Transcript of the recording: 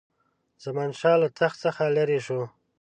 زمانشاه له تخت څخه لیري شو.